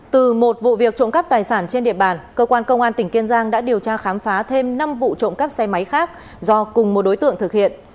từ một vụ việc trộm cắp tài sản trên địa bàn cơ quan công an tỉnh kiên giang đã điều tra khám phá thêm năm vụ trộm cắp xe máy khác do cùng một đối tượng thực hiện